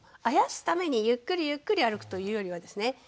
あやすためにゆっくりゆっくり歩くというよりはですね